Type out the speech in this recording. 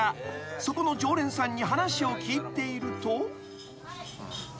［そこの常連さんに話を聞いていると］